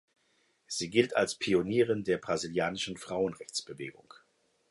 Sie gilt als eine Pionierin der brasilianischen Frauenrechtsbewegung.